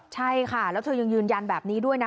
ใช่ค่ะแล้วเธอยังยืนยันแบบนี้ด้วยนะ